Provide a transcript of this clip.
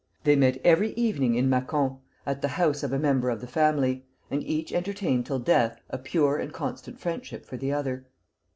They met every evening in Mâcon, at the house of a member of the family, and each entertained till death a pure and constant friendship for the other.